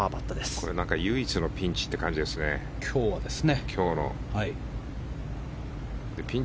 これは今日唯一のピンチという感じですね。